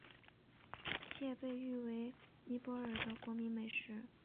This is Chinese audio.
其也被誉为尼泊尔的国民美食。